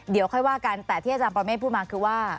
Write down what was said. เดี๋ยวค่อยว่ากันแต่ที่อาจารย์ปรเมฆพูดมาคือว่า